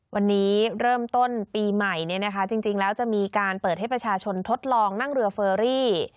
วันนี้เริ่มต้นปีใหม่เนี่ยนะคะจริงแล้วจะมีการเปิดให้ประชาชนทดลองนั่งเรือเฟอรี่